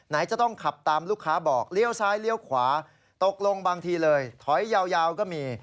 ไหนจะต้องขับตามลูกค้าบอกเลี้ยวซ้ายเลี้ยวขวาตกลงบางทีเลยถอยยาวก็มี